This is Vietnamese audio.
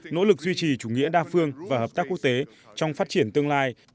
nỗ lực duy trì chủ nghĩa đa phương và hợp tác quốc tế trong phát triển tương lai